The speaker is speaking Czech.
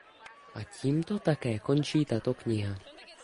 A tímto také končí tato kniha.